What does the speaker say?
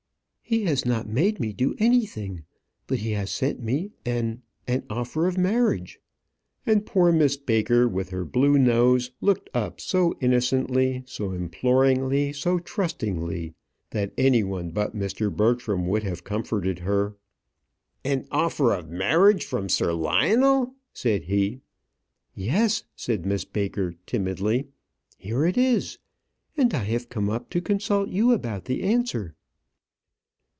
"He has not made me do anything; but he has sent me an an offer of marriage." And poor Miss Baker, with her blue nose, looked up so innocently, so imploringly, so trustingly, that any one but Mr. Bertram would have comforted her. "An offer of marriage from Sir Lionel!" said he. "Yes," said Miss Baker, timidly. "Here it is; and I have come up to consult you about the answer."